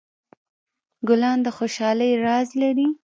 ګلان د خوشحالۍ راز لري.